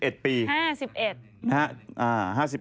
อ่า๕๑ปีนะครับ